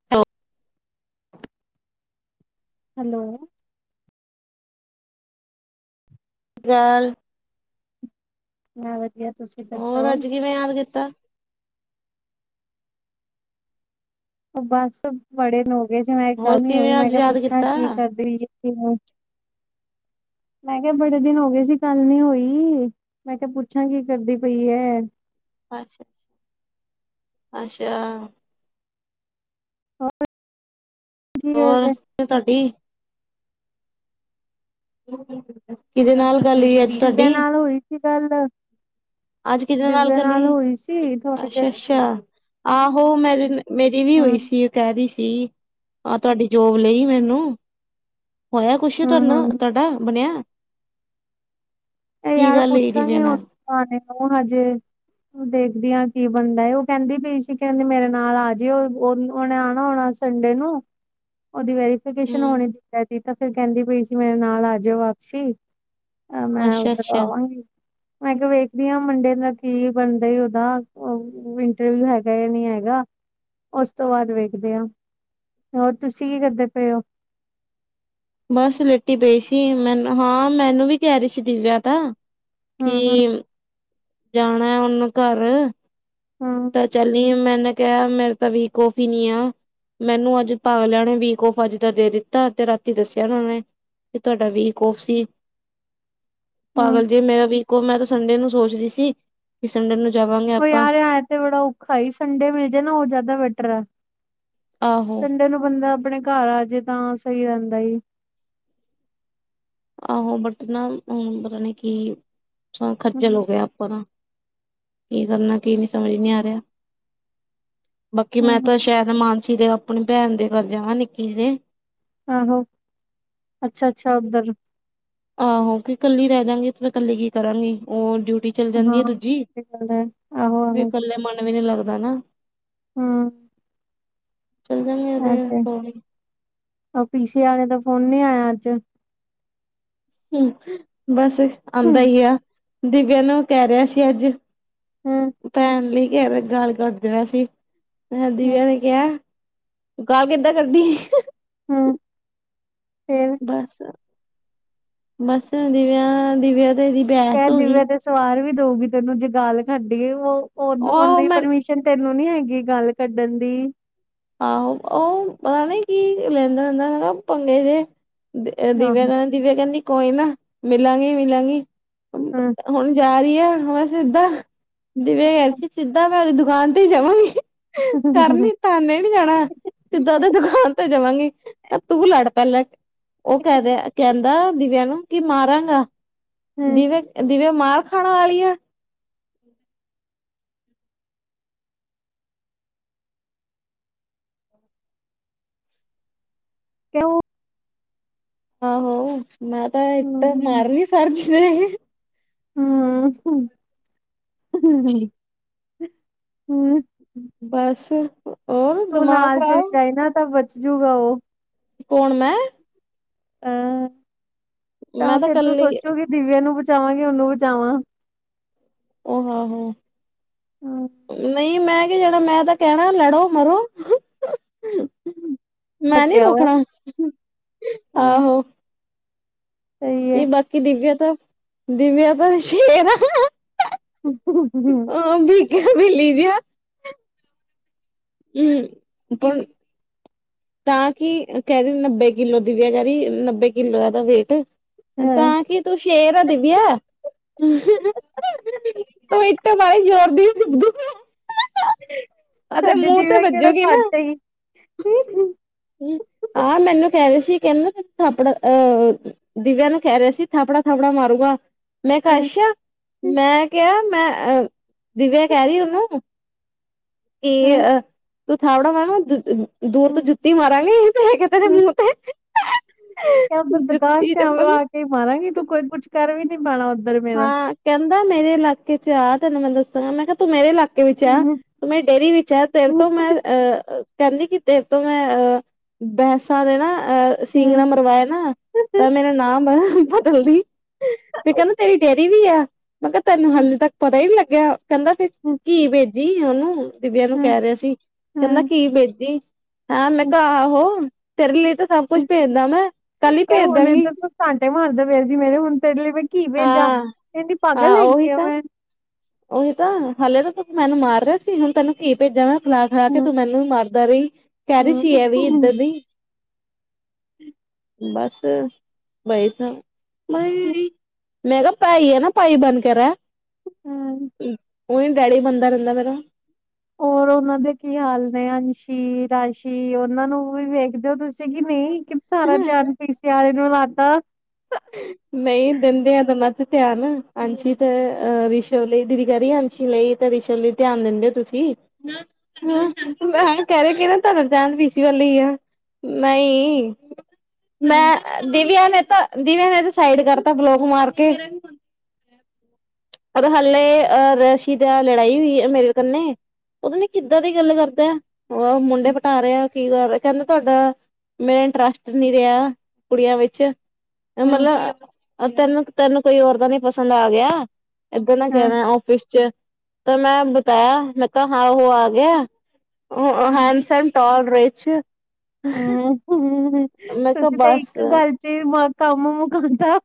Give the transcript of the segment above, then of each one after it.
[inaudible] Hello. ਜੈਲ ਮੈਂ ਵਧੀਆ, ਤੁਸੀਂ ਦੱਸੋ ਹੋਰ ਅੱਜ ਉਹ ਕਿਵੇਂ ਯਾਦ ਕੀਤਾ? ਓ ਬਸ ਬੜੇ ਦਿਨ ਹੋ ਗਏ ਸੀ ਮੈਂ ਕੇਆ ਹੋਰ ਗੱਲ ਨੀ ਹੋਈ, ਕਿਵੇਂ ਮੈਂ ਅੱਜ ਕੇਆ ਯਾਦ ਪੁੱਛਿਆ ਕੀਤਾ ਕੀ ਕਰਦੇ? ਮੈਂ ਕੇਆ ਬੜੇ ਦਿਨ ਹੋ ਗਏ ਸੀ, ਗੱਲ ਨੀ ਹੋਈ। ਮੈਂ ਕੇਆ ਪੁੱਛਾਂ, ਕੀ ਕਰਦੀ ਪਈਐ? ਅਸ਼ਾ। [unintelligible] ਕੀ ਕਰਦੇ! ਤਾਡੀ ਕਿਦੇ ਨਾਲ ਗੱਲ ਹੋਈ ਅੱਜ? ਤੁਹਾਡੀ ਕਿਦੇ ਨਾਲ ਹੋਈ ਸੀ ਗੱਲ? ਅੱਜ ਕਿਦੇ ਨਾਲ ਦਿਵਿਆ ਚਲੀ ਹੋਈ ਸੀ ਥੋੜੀ ਦੇਰ ਅੱਸ਼ਾ-ਅੱਸ਼ਾ। ਆਹੋ ਮੇਰੇ ਮੇਰੀ ਵੀ ਹੋਈ ਹਮ ਸੀ, ਓ ਕੈ ਰੀਸੀ ਆਹ ਤੁਆਡੀ ਜੋਬ ਲਈ ਮੈਨੂੰ। ਹੋਯਾ ਕੁਛ ਹਮ ਤਾਨੂੰ ਹਮ ਤੁਆਡਾ ਬਨੇਆ। ਯਾਰ ਗੱਲ ਹੋਈ ਦਿਵਿਆ ਪੁੱਛਾਂਗੇ, ਨਾਲ [unintelligible] ਹਜੇ ਓ ਦੇਖਦੀ ਆਂ ਕੀ ਬਣਦਾ। ਓ ਕੈਂਦੀ ਪਈ ਸੀ ਕੈਂਦੀ ਮੇਰੇ ਨਾਲ ਆਜਿਓ ਓ ਓਨੇ ਆਣਾ ਹੋਣਾ। ਸੰਡੇ ਨੂੰ, ਓਦੀ ਵੈਰੀ ਫਿਕੇਸ਼ਨ ਹੋਣੀ ਹੂੰ ਸੀ ਕੈਂਦੀ ਪਈ ਸੀ ਮੇਰੇ ਨਾਲ ਆਜੀਓ ਵਾਪਸੀ, ਤਾਂ ਮੈਂ ਅੱਛਾ ਉੱਧਰ ਅੱਛਾ ਮੈਂ ਕੇਯਾ ਵੇਖਦੀ ਆ ਮੰਡੇ ਦਾ ਕੀ ਬਣਦਾ ਓਦਾ ਓ ਇੰਟਰਵਿਊ ਹੈਗਾ ਯਾਂ ਨੀਂ ਹੈਗਾ, ਉਸ ਤੋਂ ਬਾਅਦ ਵੇਖਦੇ ਆਂ। ਹੋਰ ਤੁਸੀਂ ਕੀ ਕਰਦੇ ਪਏਓ? ਬਸ ਲੇਟੀ ਪਈ ਸੀ, ਮੈਨੂੰ ਹਾਂ ਮੈਨੂੰ ਵੀ ਕੈ ਰੀਸੀ ਦਿਵਿਆ ਤਾਂ। ਕਿ ਹਮ ਹਮ ਜਾਣਾ ਹੁਣ ਘਰ, ਹਮ ਤਾਂ ਚੱਲੀਏ ਮੈਨੇ ਕੇਆ ਮੇਰੇ ਤਾਂ ਵੀ ਕੌਫੀ ਨੀ ਆ। ਮੈਨੂੰ ਅੱਜ ਤਾਲੇਆ ਨੇ ਵੀਕ ਔਫ ਅੱਜ ਦਾ ਦੇ ਦਿੱਤਾ, ਤੇ ਰਾਤੀ ਦੱਸਿਆ ਨੀਂ ਓਨੇ। ਕੀ ਤੁਆਡਾ ਵੀਕ ਔਫ ਸੀ। [inaudible] ਪਾਗਲ ਜੇ, ਮੇਰਾ ਵੀਕ ਔਫ਼ ਮੈਂ ਤਾਂ ਸੰਡੇ ਨੂੰ ਸੋਚਦੀ ਸੀ, ਕਿ ਸੰਡੇ ਨੂੰ ਜਾਵਾਂਗੇ ਕੋਈ ਆ ਆਪਾਂ ਰੇਯਾ ਤੇ ਹਾਏ ਸੰਡੇ ਮਿਲ ਜੇ ਨਾ ਓ ਜੈਦਾ ਬੈਟਰ ਐ ਆਹੋ ਸੰਡੇ ਨੂੰ ਬੰਦਾ ਅਪਨੇ ਘਰ ਆ ਜੇ ਤਾਂ ਸਈ ਰੈਂਦਾ ਈ। ਆਹੋ ਬਟ ਨਾ ਹੁਣ ਪਤਾ ਨੇ ਕੀ ਖੱਜਲ ਹਮ ਹੋ ਗਏ ਆਪਾਂ ਤਾਂ। ਕੀ ਕਰਨਾ ਕੀ ਨੀ ਸਮਝ ਨੀ ਰਿਆ। ਬਾਕੀ ਮੈਂ ਹਮ ਤਾਂ ਸ਼ਾਇਦ ਮਾਨਸੀ ਦੇ ਪਨੀ ਭੈਣ ਦੇ ਘਰ ਜਾਵਾ ਨਿੱਕੀ ਦੇ। ਆਹੋ! ਅੱਛਾ-ਅੱਛਾ ਓੱਧਰ। ਆਹੋ! ਕਿ ਕੱਲੀ ਰੈ ਜਾਂਗੀ ਤੇ ਮੈ ਕੱਲੀ ਕੀ ਕਰਾਂਗੀ ਓ ਡਿਊਟੀ ਚੱਲ ਜਾਂਦੀ ਹਾਂ ਆ ਦੂਜੀ ਇਹ ਤੇ ਗੱਲ ਹੈ ਆਹੋ ਫੇ ਆਹੋ ਕੱਲੇ ਮਨ ਵੀ ਨੀ ਲੱਗਦਾ ਨਾ। ਹੂੰ। ਚੱਲ ਜਾਂਗੇ ਓਦੇ ਕੋਲ ਈ। ਓ ਪੀ ਸੀੇ ਆਲੇ ਦਾ ਫੋਨ ਨੀ ਆਇਆ ਆੱਜ। ਹੂੰ ਬਸ ਆਂਦਾ ਹੂੰ ਈ ਆ, ਦਿਵਿਆ ਨੂੰ ਕੈ ਰਿਆ ਸੀ ਆੱਜ। ਹੂੰ ਭੈਣ ਲਈ ਕੈਰੇਆ ਗਾਲ ਕੱਢ ਰੇਆ ਸੀ। ਦਿਵਿਆ ਨੈ ਕਿਐ ਗਾਲ ਕਿੱਦਾਂ ਕੱਢੀ। ਹੂੰ ਫੇਰ ਬੱਸ ਮਸਾ ਦਿਵਿਆਂ ਦਿਵਿਆ ਤੇ ਏਦੀ। ਕੈ ਦਿਵਿਆ ਤੇ ਸਵਾਰ ਵੀ ਦਊਗੀ ਤੈਨੂੰ ਜੇ ਗਾਲ ਕੱਢੀਏ ਓ ਉਹ ਓਨੇ ਮੈਂ ਪਰਮਿ ਸ਼ਨ, ਤੈਨੂੰ ਨੀ ਹੈਗੀ ਗੱਲ ਕੱਢਣ ਦੀ। ਆਹੋ ਓ ਪਤਾ ਨੀ ਕੀ ਲੈਂਦਾ ਹੁੰਦਾ ਹੈਗਾ ਪੰਗੇ ਜੇ। ਅ ਹਾਂ ਦਿਵਿਆ ਕ ਦਿਵਿਆ ਕੈਂਦੀ ਕੋਈ ਨਾ ਮਿਲਾਂਗੀ ਮਿਲਾਂਗੀ। ਹੂੰ ਹੁਣ ਜਾ ਰੀ ਆ ਐ ਸਿੱਧਾ ਦਿਵਿਆ ਕੈ ਦੀ ਸੀ ਸਿੱਧਾ ਮੈਂ ਓਦੀ ਦੁਕਾਨ ਤੇ ਈ ਜਾਵਾਂਗੀ। ਤਰਨੀ ਤਾਨੇ‌। ਮੈਂ ਨੀ ਜਾਣਾ ਸਿੱਧਾ ਓਦੇ ਦੁਕਾਨ ਤੇ ਜਾਵਾਂਗੀ, ਤੂੰ ਲੜ ਪੈਲੇ। ਓ ਕੈ ਰਿਆ ਕੈਂਦਾ ਦਿਵਿਆਂ ਨੂੰ ਕਿ ਮਾਰਾਂਗਾ। ਦਿਵਿਆ ਦਿਵਿਆ ਮਾਰ ਖਾਣ ਆਲੀ ਆ। ਕਿਲੁ। ਆਹੋ ਮੈਂ ਤਾਂ ਇੱਟ ਮਾਰਨੀ ਸਾਰਗੀ ਦੇ। [inaudible] ਬਸ। ਹੋਰ ਤੂੰ ਦਿਮਾਗ ਨਾਲ ਚੱਲ ਖ਼ਰਾਬ ਜਾਏ ਨਾ ਤਾਂ ਬਚ ਜੂਗਾ ਓ। ਕੌਣ ਮੈਂ। ਅ ਤਾ ਮੈਂ ਤਾਂ ਫਿਰ ਤੂੰ ਕੱਲੀ ਸੋਚੋਗੀ ਦਿਵਿਆਂ ਨੂੰ ਬਚਾਵਾਂਗੇ ਓਨੂੰ ਬਚਾਵਾਂ। ਓ ਹਾਹੋ। ਹੂੰ ਨਈ ਮੈਂ ਕਿ ਜਾਣਾ ਮੈਂ ਤਾਂ ਕੈਣਾ ਲੜੋ ਮਰੋ। ਮੈਂ ਨੀ ਕਿਹਾ ਵਾ ਰੋਕਣਾ ਹਾਂ ਆਹੋ! ਸਹੀ ਨਈ ਹੈ ਬਾਕੀ ਦਿਵਿਆ ਤਾਂ ਦਿਵਿਆ ਤਾਂ ਸ਼ੇਰ ਆ। [unintelligible] ਆ ਵੀ ਗੇਆ ਵੇਲੀ ਜੇਹਾ। ਹੂੰ ਪਰ ਤਾਂ ਕਿ ਕੈ ਰੇ ਓ ਨੱਬੇ ਕਿੱਲੋ? ਦਿਵਿਆ ਕੈ ਰੀ ਏ ਨੱਬੇ ਕਿੱਲੋ ਐਦਾ ਵੇਟ। ਹੂੰ। ਤਾਂ ਕੀ ਤੂੰ ਸ਼ੇਰ ਆ ਦੀਵੀਆ। ਤੂੰ ਇੱਟ ਮਾਰੀ ਜੋਰ ਦੀ। ਅਤੇ ਸਾਡੀ ਮੂੰਹ ਤੇ ਦਿਵਿਆ ਕੇੜਾ ਵੱਜੂਗੀ ਘੱਟ ਹੈਗੀ। ਆ ਮੈਨੂੰ ਕੈ ਰੇ ਸੀ ਕੈਂਦੇ ਕੇ ਥੱਪੜਾ ਅ ਦਿਵਿਆ ਨੂੰ ਕਹਿ ਰਿਹਾ ਸੀ ਥਾਪੜਾ ਥਾਪੜਾ ਮਾਰੂਗਾ। ਮੈਂ ਕਿਹਾ ਅੱਛਾ ਮੈਂ ਕਿਹਾ ਮੈਂ ਅ ਦਿਵਿਆ ਕਹਿ ਰਹੀ ਉਹਨੂੰ ਕੀ ਅਹ ਤੂੰ ਥਾਪੜਾ [unintelligible] ਦੂਰ ਤੋਂ ਜੁੱਤੀ ਮਾਰਾਂਗੀ ਮੈਂ ਕਿਹਾ ਤੇਰੇ ਮੂੰਹ ਤੇ। ਦੁਕਾਨ ਜੁੱਤੀ ਤੇ ਚੱਪਲ ਆ ਕੇ ਮਾਰਾਂਗੀ ਤੂੰ ਕੋਈ ਕੁਛ ਕਰ ਵੀ ਨੀ ਪਾਉਣਾ ਉੱਧਰ ਮੇਰਾ। ਹਾਂ ਕਹਿੰਦਾ ਮੇਰੇ ਇਲਾਕੇ ਚ ਆ ਤੈਨੂੰ ਮੈਂ ਦੱਸਾਂਗਾ ਮੈਂ ਕਿਹਾ ਤੂੰ ਮੇਰੇ ਇਲਾਕੇ ਵਿੱਚ ਆ ਤੂੰ ਮੇਰੀ ਡੇਅਰੀ ਵਿੱਚ ਆ ਤੇਰੇ ਤੋਂ ਮੈਂ ਅਹ ਕਹਿੰਦੀ ਕਿ ਤੇਰੇ ਤੋਂ ਮੈਂ ਅਹ ਬਹਿਸਾਂ ਦੇ ਨਾ ਅਹ ਸਿੰਗ ਨਾ ਮਰਵਾਇਆ ਨਾ ਤਾਂ ਮੇਰਾ ਨਾਮ ਨਾ ਬਦਲ ਦੇਈਂ ਠੀਕ ਆ ਤੇਰੀ ਡੇਅਰੀ ਵੀ ਆ ਮੈਂ ਕਿਹਾ ਤੈਨੂੰ ਹਲੇ ਤੱਕ ਪਤਾ ਹੀ ਨਹੀਂ ਲੱਗਿਆ ਕਹਿੰਦਾ ਫੇਰ ਕੀ ਵੇਚ ਜੀ ਉਹਨੂੰ ਦਿਵਿਆ ਨੂੰ ਕਹਿ ਰਿਹਾ ਸੀ ਕਹਿੰਦਾ ਕੀ [unintelligible] ਮੈਂ ਕਿਹਾ ਆਹੋ ਤੇਰੇ ਲਈ ਤਾਂ ਸਭ ਕੁਛ ਭੇਜਦਾ ਮੈਂ ਕੱਲ ਹੀ ਭੇਜ ਦਾਂਗੀ। ਭਾਂਡੇ ਮਾਂਜਦੇ ਪਏ ਸੀ ਮੇਰੇ ਹੁਣ ਤੇਰੇ ਲਈ ਮੈਂ ਕੀ ਭੇਜਾ ਹਾਂ ਕਹਿੰਦੀ ਪਾਗਲ ਹਾਂ ਉਹੀ ਹੈਗੀ ਆ ਤਾਂ ਮੈਂ। ਉਹੀ ਤਾਂ ਹਾਲੇ ਤਾਂ ਤੂੰ ਮੈਨੂੰ ਮਾਰ ਰਿਹਾ ਸੀ ਹੁਣ ਤੈਨੂੰ ਕੀ ਭੇਜਾ ਮੈਂ ਖਿਲਾ ਖਿਲਾ ਕੇ ਹੂੰ ਤੂੰ ਮੈਨੂੰ ਵੀ ਮਾਰ ਇਧਰ ਹੀ ਕਹਿ ਰਹੀ ਹੂੰ ਸੀ ਹੈ ਇਹ ਵੀ ਇੱਧਰ [unintelligible] ਬਸ ਬਾਈਸਾ ਬਾਈ ਮੈਂ ਕਿਹਾ ਭਾਈ ਆ ਨਾ ਭਾਈ ਬਣ ਕੇ ਰਹਿ। ਹਮ। ਉ ਉਹੀ ਡੈਡੀ ਬੰਦਾ ਰਹਿੰਦਾ ਮੇਰਾ‌। ਹੋਰ ਉਹਨਾਂ ਦੇ ਕੀ ਹਾਲ ਨੇ ਅੰਸ਼ੀ ਰਾਸ਼ੀ ਉਹਨਾਂ ਨੂੰ ਵੀ ਵੇਖਦੇ ਹੋ ਤੁਸੀਂ ਕਿ ਨਹੀਂ ਸਾਰਾ ਧਿਆਨ ਪੀ ਸਿਆਲੇ ਨੂੰ। [unintelligible] ਨਹੀਂ ਦਿੰਦੇ ਆ [unintelligible] ਚ ਧਿਆਨ ਅੰਸ਼ੀ ਤੇ ਹ ਰਿਸ਼ਵ ਲਈ ਦੀਦੀ ਕਿਹ ਰਹੀ ਅੰਸ਼ ਰਿਸ਼ੀ ਲਈ ਤੇ ਰਿਸ਼ਨ ਲਈ ਦਿੰਦੇ ਤੁਸੀਂ ਮੈਂ ਕਹਿ ਰਹੀ ਆ ਕਿ ਨਾ ਤੁਹਾਡਾ ਧਿਆਨ ਪੀ ਸੀ ਵੱਲ ਹੀ ਆ। ਨਹੀਂ [unintelligible] ਹੂੰ, ਮੈਂ ਦੀਦੀ ਉਹਨੇਂ ਤਾਂ ਦੀਦੀ ਉਹਨੇਂ ਤਾਂ ਸਾਈਡ ਕਰਤਾ ਬਲੋਕ ਮਾਰ ਕੇ। [inaudible] ਪਰ ਹਲੇ ਆਹ ਰਸ਼ੀ ਦਾ ਲੜਾਈ ਹੋਈ ਮੇਰੇ ਕਨੇ ਪਤਾ ਨੀ ਕਿੱਦਾਂ ਦੀ ਗੱਲ ਕਰਦਾ ਉਹ ਮੁੰਡੇ ਪਟਾ ਰਹੇ ਆ ਕੀ ਕਰ ਰਿਹਾ ਕਹਿੰਦਾ ਤੁਹਾਡਾ ਮੇਰਾ ਇੰਨਟਰਸਟ ਨਹੀਂ ਰਿਹਾ ਕੁੜੀਆਂ ਵਿੱਚ। ਓ ਮਲ ਹੂੰ, ਤੈਨੂੰ ਤੈਨੂੰ ਕੋਈ ਓਰ ਤਾਂ ਨੀ ਪਸੰਦ ਆ ਗਿਆ? [unintelligible] ਹਾਂ, ਕਹਿ ਔਫਿਸ ਚ। ਤਾਂ [unintelligible] ਮੈਂ ਕਿਹਾ ਹਾਂ ਉਹ ਆ ਗਿਆ ਓ ਹਾਂ, ਹਮ [unintelligible] [unintelligible] ਹੁ ਹੁ ਹੁ ਹੁ ਹੁ ਮੈਂ ਕਿਹਾ ਤੁਸੀਂ ਤਾਂ ਬਸ ਇੱਕ ਗੱਲ ਚ ਕੰਮ ਮੁਕਾਤਾ।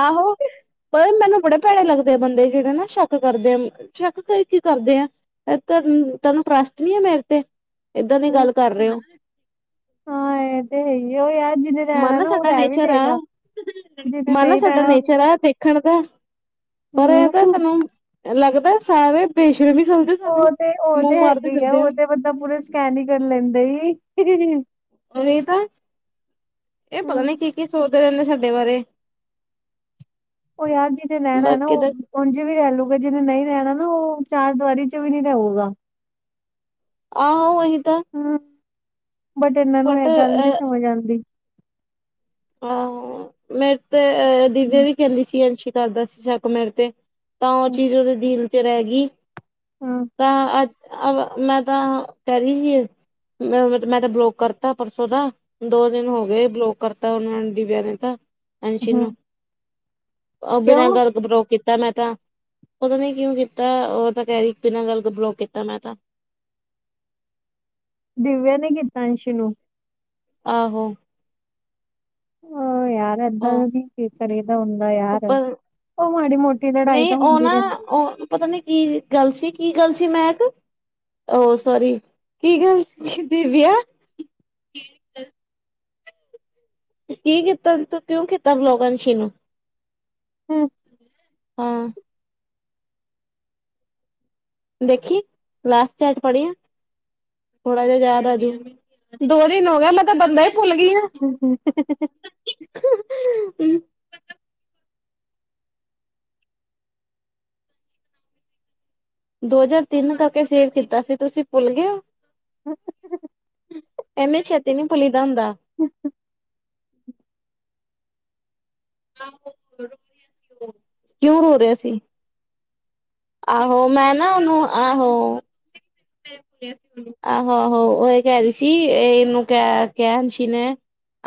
ਆਹੋ। ਪਰ ਮੈਨੂੰ ਬੜੇ ਭੈੜੇ ਲੱਗਦੇ ਆ ਬੰਦੇ ਜਿਹੜੇ ਨਾ ਸ਼ੱਕ ਕਰਦੇ ਆ ਸ਼ੱਕ ਕਰਕੇ ਕੀ ਕਰਦੇ ਆ। ਮੈਂ [unintelligible] ਤੁਹਾਨੂੰ ਟਰਸਟ ਨੀ ਆ ਮੇਰੇ ਤੇ ਏਦਾਂ ਦੀ ਗੱਲ ਕਰ ਰਹੇ ਹੋ? ਹਾਂ ਇਹ ਤੇ ਹੀ ਆ ਉਏ ਆ ਯਾਰ। ਜਿਹਨੇ ਮਨ ਰਹਿਣਾ ਲਾ ਨਾ ਉਹ ਸਾਡਾ ਰਹਿ ਵੀ ਨੇਚਰ ਆ ਲਏਗਾ। [unintelligible] ਜਿਹਨੇ ਮਨ ਲਾ ਨਹੀਂ ਸਾਡਾ ਰਹਿਣਾ ਉਹਨੂੰ ਨੇਚਰ ਨਹੀਂ ਆ ਤੇ ਰੱਖਣ ਦਾ ਪਰ ਇਹਦਾ ਹੂੰ। ਸਾਨੂੰ ਲੱਗਦਾ ਸਾ ਪੇਸ਼ੜ ਵੀ [unintelligible] ਸਾਨੂੰ ਮੂੰਹ ਮਾਰਦੇ ਫਿਰਦੇ ਆ। ਇਕ ਬੰਦਾ ਪੁ ਸਕੈਨ ਹੀ ਕਰ ਲੈਂਦੇ ਹੀ ਹੀ ਹੀ ਹੀ। ਓਹੀ ਤਾਂ, ਏ ਪਤਾ ਹੂੰ। ਨੀ ਕੀ-ਕੀ ਸੋਚਦੇ ਰੈਂਦੇ ਸਾਡੇ ਬਾਰੇ? ਓ ਯਾਰ ਜਿਦੇ ਨੈਣਾ ਨਾ ਬਾਕੀ ਓ ਤਾਂ ਓਂਝ ਵੀ ਰੈਹ ਲੂਗਾ, ਜਿਨੇ ਨਈਂ ਰੈਣਾ ਨਾ ਓ ਚਾਰ ਦਵਾਰੀ 'ਚ ਵੀ ਨਈ ਰਊਗਾ। ਆਹੋ ਓਹੀ ਤਾਂ ਹੂੰ, ਬਟ ਏਨਾਂ ਨੂੰ ਏ ਗੱਲ ਨਈਂ ਸਮਝ ਆਂਦੀ। ਆਹੋ, ਮੇਰੇ ਤੇ ਅਹ ਦੀਵੇਆ ਵੀ ਕੇਂਦੀ ਸੀ ਐੰਸ਼ੀ ਕਰਦਾ ਸੀ ਸ਼ੱਕ ਮੇਰੇ ਤੇ। ਤਾਂ, ਓ ਚੀਜ਼ ਓਦੇ ਦਿਲ 'ਚ ਰੈਹ ਗੀ। ਹੂੰ। ਤਾਂ ਅੱਜ ਮੈਂ ਤਾਂ ਕਰੀ ਸੀ। ਮੈਂ ਤਾਂ ਬਲੋਕ ਕਰਤਾ ਪਰਸੋਂ ਦਾ, ਦੋ ਦਿਨ ਹੋ ਗਏ ਬਲੋਕ ਕਰ ਬਲੌਕ ਕੀਤਾ ਦੀਵੇਆ ਨੇ ਤਾਂ ਐਸ਼ੀ ਨੂੰ, ਓ ਬਿਨਾਂ ਗਲ ਬਲੌਕ ਕੀ ਤਾ, ਮੈਂ ਤਾਂ, ਪਤਾ ਨੀਂ ਕਿਉਂ ਕੀਤਾ, ਓ ਤਾਂ ਕੇਹ ਰਈ ਬਿਨਾਂ ਗੱਲ ਤੋਂ ਬਲੌਕ ਕੀਤਾ ਮੈਂ ਤਾਂ ਦਿਵੇਆਂ ਨੇ ਕੀਤਾ ਐਂਸ਼ੀ ਨੂੰ? ਆਹੋ। ਓ ਯਾਰ ਏਦਾਂ ਈ ਆਹ ਨੀਂ, ਕਰੀਦਾ ਹੁੰਦਾ ਯਾਰ ਪਰ ਓ ਮਾੜੀ ਮੋਟੀ ਲੜਾਈ ਨਹੀਂ ਤਾਂ ਉਹ ਹੁੰਦੀ ਨਾ ਰੈਂਦੀ। ਉਹ ਪਤਾ ਨੀ ਕੀ ਗੱਲ ਸੀ, ਕੀ ਗੱਲ ਸੀ ਮੈਹਕ। ਓ, ਸੋਰੀ ਕੀ ਗੱਲ ਸੀ ਦਿਵੇਆ? ਕੀ ਕੀਤਾ, ਤੂੰ ਕਿਉਂ ਕੀਤਾ ਬਲੌਕ ਅੰਸ਼ੀ ਨੂੰ? ਹੂੰ ਹਾਂ। ਦੇਖੀ, ਲਾਸਟ ਚੈਟ ਪੜੇਆ? ਥੋੜਾ ਜੇਆ ਯਾਦ ਆਜੂ, ਦੋ ਦਿਨ ਹੋ ਗਏ ਮੈਂ ਤਾਂ ਬੰਦਾ ਈ ਭੁੱਲ ਗੀ ਆ। [unintelligible] [unintelligible] ਦੋ ਹਜਾਰ ਤਿੰਨ ਤੱਕ ਏਹ ਸੇਵ ਕੀਤਾ ਸੀ, ਤੁਸੀ ਭੁੱਲ ਗਏ ਓ? [unintelligible] ਏਨੀ ਛੇਤੀ ਨੀਂ ਭੁੱਲੀ ਦਾ ਹੁੰਦਾ। ਕਿਉਂ ਰੋ ਰੇਆ ਸੀ? ਆਹੋ, ਮੈਂ ਨਾ ਓਨੂੰ ਆਹੋ ਆਹੋ-ਆਹੋ, ਓ ਏਹੀ ਕੇਹ ਰਈ ਸੀ, ਏਹ ਏਨੂੰ ਕ ਕੇਹ ਅੰਸ਼ੀ ਨੇ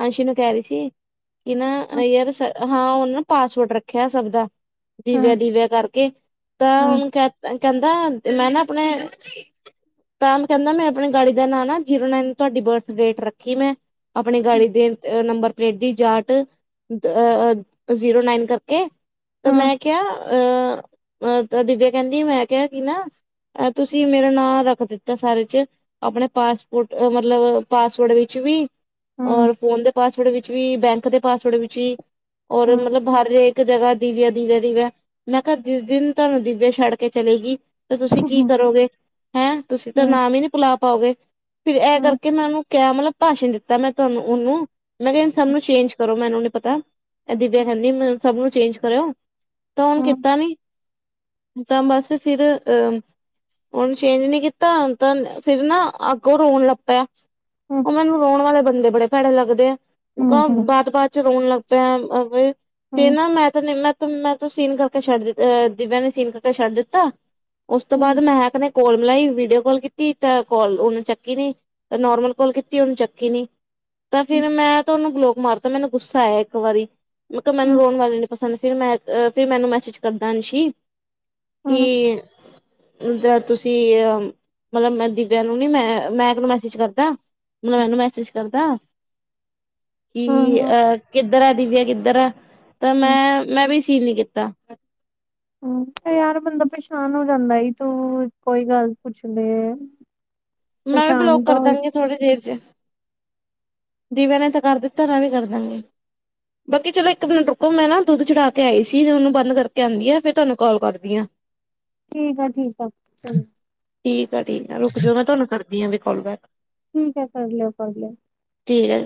ਅੰਸ਼ੀ ਨੂੰ ਕੇਹ ਰਈ ਸੀ ਕਿ ਨਾ, ਯਾਰ ਸਾ ਹਾਂ ਓਨੇ ਪਾਸਵਰਡ ਰੱਖੇਆ ਸਬ ਦਾ ਦੀਵਿਆ ਦੀਵਿਆ ਕਰਕੇ ਤਾਂ ਓਨੂੰ ਕੇਹ ਕੇਂਦਾ, ਮੈਂ ਨਾ ਆਪਨੇ ਤਾਂ ਕੈੰਦਾ ਮੈਂ ਆਪਨੀ ਗਾੜੀ ਦਾ ਨਾਂ ਨਾ ਜੀਰੋ ਨਾਈਨ ਤੁਆਡੀ ਬਰਥ ਡੇਟ ਰੱਖੀ ਮੈਂ ਆਪਨੇ ਗਾੜੀ ਦੇ ਨੰਬਰ ਪਲੇਟ ਦੀ ਜਾਟ ਜ਼ੀਰੋ ਨਾਈਨ ਕਰਕੇ, ਤਾਂ ਮੈਂ ਕੇਆ ਤਾਂ ਦੀਵੇਆ ਕੇਂਦੀ ਮੈਂ ਕੇਆ ਕਿ ਨਾ ਤੁਸੀ ਮੇਰਾ ਨਾਂ ਰੱਖ ਦਿੱਤਾ ਸਾਰੇ 'ਚ ਆਪਨੇ ਪਾਸਪੋਰਟ ਮਤਲਬ ਪਾਸਵਡ ਵਿੱਚ ਵੀ ਔਰ ਫੋਨ ਦੇ ਪਾਸਵਡ ਵਿੱਚ ਵੀ, ਬੈਂਕ ਦੇ ਪਾਸਵਡ ਵਿੱਚ ਵੀ, ਔਰ ਮਤਲਬ ਹਰ ਏ ਕ, ਜਗਾ ਦੀਵੇਆ, ਦੀਵੇਆ, ਦੀਵੇਆ ਮੈਂ ਕੇਆ ਜਿਸ ਦਿਨ ਤੁਆਨੂੰ ਦੀਵੇਆ ਛੱਡ ਕੇ ਚੱਲੀ ਗਈ ਤੇ ਤੁਸੀਂ ਕੀ ਕਰੋਗੇ? ਹੈਂ, ਤੁਸੀਂ ਤਾਂ ਨਾਮ ਈ ਨੀਂ ਭੁੱਲਾ ਪਾਓਗੇ, ਫਿਰ ਏ ਕਰਕੇ ਮੈਂ ਓਨੂੰ ਕਿ ਮਤਲਬ ਭਾਸ਼ਨ ਦਿੱਤਾ ਮੈਂ ਤੁਆਨੂੰ ਓਨੂੰ ਮੈਂ ਕੇਆ ਸਬ ਨੂੰ ਚੇਂਜ ਕਰੋ ਮੈਨੂੰ ਨੀ ਪਤਾ ਐ ਦੀਵੇਆ ਕੇਂਦੀ ਸਬ ਨੂੰ ਚੇਂਜ ਕਰੇਓ ਤਾਂ ਹੁਨ ਕੀਤਾ ਨੀਂ ਤਾਂ, ਬਸ ਫਿਰ ਅ ਹੁਣ ਚੇਜ ਨੀ ਕੀਤਾ ਤਾਂ ਫੇਰ ਨਾ ਆਗੋਂ ਰੋਣ ਲੱਗ ਪਿਆ। ਓ ਮੈਨੂੰ ਰੋਣ ਵਾਲੇ ਬੰਦੇ ਬੜੇ ਭੈੜੇ ਲੱਗਦੇ ਆ ਓ ਕੈਆ ਬਾਤ-ਬਾਤ ਚ ਰੋਣ ਲੱਗ। ਪ੍ਰੇਮ ਓ ਬੀ। ਤੇ ਨਾ ਮੈਂ ਤਾਂ ਮੈਂ-ਮੈਂ ਤਾਂ ਸੀਨ ਕਰਕੇ ਛੱਡ ਅ ਦਿਵਿਆ ਨੇ ਸੀਨ ਕਰਕੇ ਛੱਡ ਦਿੱਤਾ। ਓਸ ਤੋਂ ਬਾਅਦ ਮੈਹਕ ਨੇ ਕੋਲ ਮਿਲਾਈ ਵੀਡੀਓ ਕਾਲ ਕੀਤੀ ਤਾਂ ਕੋਲ ਓਨੇ ਚੱਕੀ ਨੀ। ਤਾਂ ਨੋਰਮਲ ਕੋਲ ਕੀਤੀ ਓਨੇ ਚੱਕੀ ਨੀ। ਤਾਂ ਫੇਰ ਮੈਂ ਤਾ ਓਨੂੰ ਬਲੋਕ ਮਾਰਤਾ ਮੈਨੂੰ ਗੁੱਸਾ ਆਯਾ ਏਕ ਵਾਰੀ, ਮੈਂ ਕੈਆ ਮੈਨੂੰ ਰੋਣ ਵਾਲੇ ਨੀ ਪਸੰਦ ਫਿਰ ਮੈਂ ਫੇਰ ਮੈਨੂੰ ਮੈਸੇਜ ਕਰਦਾ ਅੰਸ਼ੀ, ਕਿ ਤੁਸੀਂ ਅਹ ਮਤਲਬ, ਮੈਂ ਦਿਵਿਆ ਨੂੰ ਨੀ ਮੈਂ-ਮੈਂ ਮੈਕ ਨੂੰ ਮੈਸੇਜ ਕਰਦਾ। ਮੈ ਓਨੂੰ ਮੈਸੇਜ ਕਰਦਾ ਕਿ ਅਹ ਕਿੱਧਰ ਐ ਦਿਵਿਆ ਕਿੱਧਰ ਐ ਤਾਂ ਮੈਂ-ਮੈਂ ਵੀ ਸੀਨ ਨੀ ਕੀ ਕੀਤਾ। ਹੂੰ ਤੇ ਯਾਰ ਬੰਦਾ ਪਰੇਸ਼ਾਨ ਹੋ ਜਾਂਦਾ ਏ ਤੂੰ ਕੋਈ ਗੱਲ ਪੁੱਛਦੀ ਏ। ਮੈਂ ਵੀ ਬਲੋਕ ਕਰ ਦਾਂਗੀ ਥੋੜੀ ਦੇਰ ਚ ਦਿਵਿਆ ਨੇ ਤਾਂ ਕਰ ਦਿੱਤਾ ਮੈਂ ਵੀ ਕਰ ਦੇਣੀ ਆਂ। ਬਾਕੀ ਚਲੋ ਏਕ ਮਿੰਟ ਰੁਕੋ ਮੈਂ ਨਾ ਦੁੱਧ ਚੜਾ ਕੇ ਆਈ ਸੀ ਤੇ ਓਨੂੰ ਬੰਦ ਕਰਕੇ ਆਂਦੀ ਆ ਫੇਰ ਤੁਆਨੂੰ ਕਾਲ ਕਰਦੀ ਆ। ਠੀਕ ਆ-ਠੀਕ ਆ, ਚਲ। ਠੀਕ ਆ-ਠੀਕ ਆ ਰੁਕ ਜੋ ਮੈਂ ਤੁਆਨੂੰ ਕਰਦੀ ਆ ਵੀ ਕੌਲ ਬੈਕ ਠੀਕ ਐ ਕਰ ਲਿਓ ਕੌਲ ਬੈਕ। ਠੀਕ ਐ।